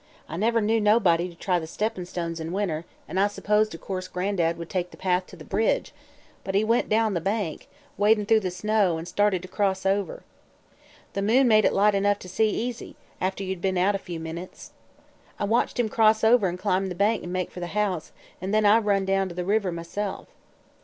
I never knew nobody to try the steppin' stones in winter, an' I s'posed o' course Gran'dad would take the path to the bridge; but he went down the bank, wadin' through the snow, an' started to cross over. The moon an' the snow made it light enough to see easy, after you'd be'n out a few minutes. I watched him cross over an' climb the bank an' make for the house, an' then I run down to the river myself.